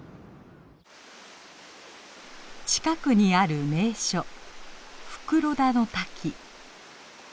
近くにある名所